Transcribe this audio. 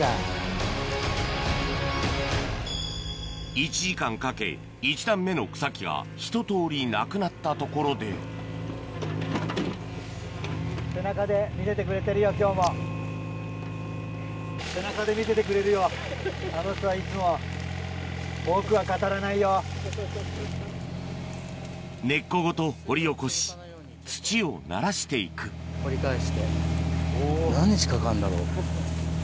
１時間かけ１段目の草木がひととおりなくなったところで根っこごと掘り起こし土をならしていく掘り返して何日かかるんだろう？